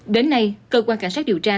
đến nay cơ quan cả sát điều tra